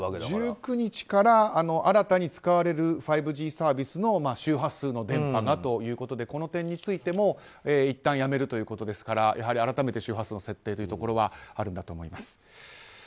１９日から新たに使われる５Ｇサービスの周波数の電波がということでこの点についてもいったんやめるということですから改めて周波数の設定というところはあるんだと思います。